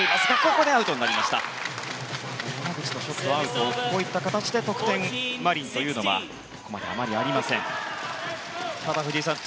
こういった形で得点、マリンというのはあまりありません。